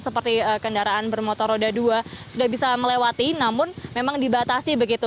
seperti kendaraan bermotor roda dua sudah bisa melewati namun memang dibatasi begitu